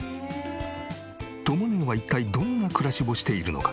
とも姉は一体どんな暮らしをしているのか。